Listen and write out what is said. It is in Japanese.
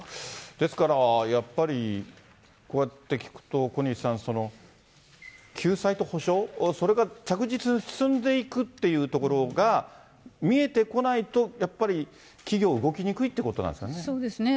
ですからやっぱり、こうやって聞くと、小西さん、救済と補償、それが着実に進んでいくっていうところが、見えてこないと、やっぱり企業、動きにくいということなんですかそうですね。